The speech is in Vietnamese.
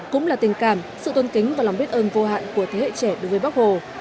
cũng là tình cảm sự tôn kính và lòng biết ơn vô hạn của thế hệ trẻ đối với bắc hồ